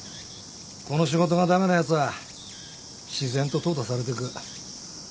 この仕事が駄目なやつは自然と淘汰されてく。